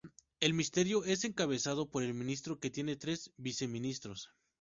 El Ministerio es encabezado por el ministro, que tiene tres viceministros.